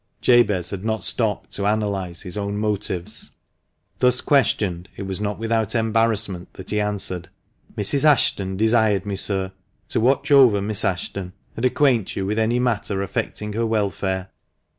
Jabez had not stopped to analyse his own motives. Thus questioned, it was not without embarrassment that he answered, "Mrs. Ashton desired me, sir, to watch over Miss Ashton, and acquaint you with any matter affecting her welfare.